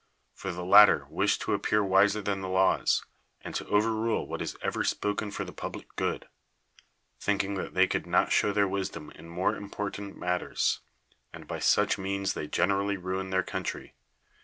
For the lat ter wish to appear wiser than the laws, and to overrule what is ever spoken for the public good — thinking that they could not show their wisdom in more important matters — and by such means they generally ruin their coun try.